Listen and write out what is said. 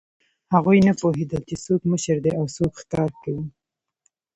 هغوی نه پوهېدل، چې څوک مشر دی او څوک ښکار کوي.